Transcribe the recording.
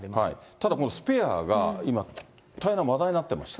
ただ、このスペアが今、大変な話題になってまして。